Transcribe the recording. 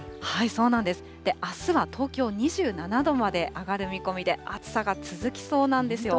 そうなんです、あすは東京２７度まで上がる見込みで、暑さが続きそうなんですよ。